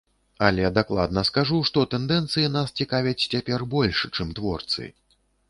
Але дакладна скажу, што тэндэнцыі нас цікавяць цяпер больш, чым творцы.